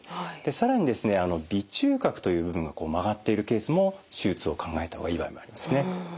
更にですね鼻中隔という部分が曲がっているケースも手術を考えた方がいい場合もありますね。